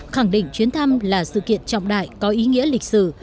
khẳng định chuyến thăm là sự kiện trọng đại có ý nghĩa lịch sử